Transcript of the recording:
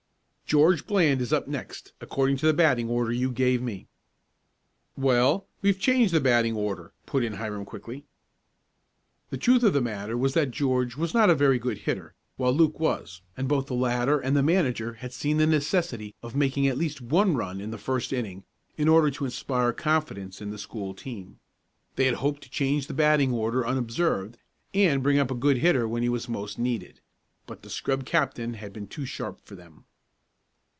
"George Bland is up next, according to the batting order you gave me." "Well, we've changed the batting order," put in Hiram quickly. The truth of the matter was that George was not a very good hitter, while Luke was, and both the latter and the manager had seen the necessity of making at least one run the first inning in order to inspire confidence in the school team. They had hoped to change the batting order unobserved, and bring up a good hitter when he was most needed. But the scrub captain had been too sharp for them.